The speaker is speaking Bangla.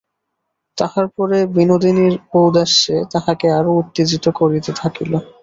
তাহার পরে বিনোদিনীর ঔদাস্যে তাহাকে আরো উত্তেজিত করিতে থাকিল।